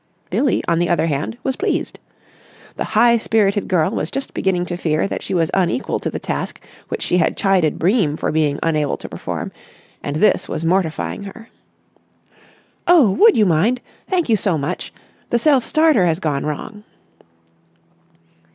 Billie, on the other hand, was pleased. The high spirited girl was just beginning to fear that she was unequal to the task which she had chided Bream for being unable to perform and this was mortifying her. "Oh, would you mind? Thank you so much. The self starter has gone wrong."